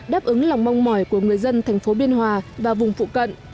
đáp ứng lòng mong mỏi của người dân thành phố biên hòa và vùng phụ cận